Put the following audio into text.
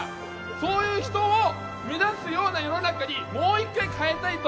そういう人を目指すような世の中にもう１回変えたいと。